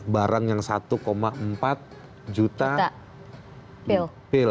barang yang satu empat juta pil